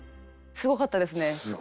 すごかったですね。